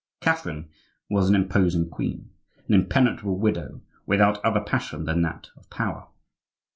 Catherine was an imposing queen, an impenetrable widow, without other passion than that of power.